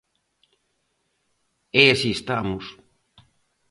E así estamos...